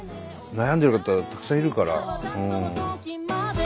悩んでる方たくさんいるから。